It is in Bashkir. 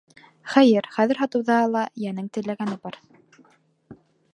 Хәйер, хәҙер һатыуҙа ла йәнең теләгәне бар.